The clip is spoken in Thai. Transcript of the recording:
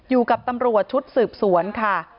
อยู่กับตำรวจชุดสืบสวนค่ะ